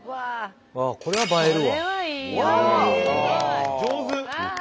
これは映えるわ。